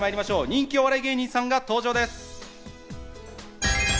人気お笑い芸人さんが登場です。